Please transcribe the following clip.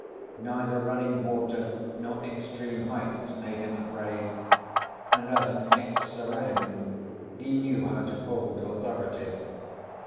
Neither running water nor extreme heights made him afraid; and, as an ex serang, he knew how to hold authority.